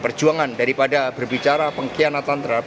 perjuangan daripada berbicara pengkhianatan terhadap